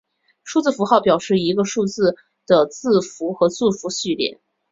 数字符号表示一个数字的字符和字符序列。